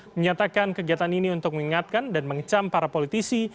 menyatakan kegiatan ini untuk mengingatkan dan mengecam para politisi